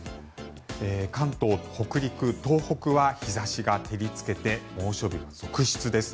関東、北陸、東北は日差しが照りつけて猛暑日続出です。